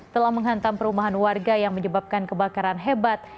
telah menghantam perumahan warga yang menyebabkan kebakaran hebat